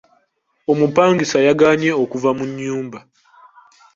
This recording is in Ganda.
Omupangisa yagaanye okuva mu nnyumba.